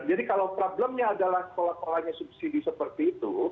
jadi kalau problemnya adalah polanya polanya subsidi seperti itu